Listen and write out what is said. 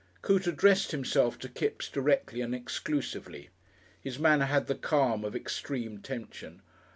Coote addressed himself to Kipps directly and exclusively. His manner had the calm of extreme tension.